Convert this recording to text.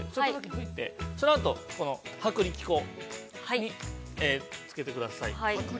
そのあと薄力粉につけてください。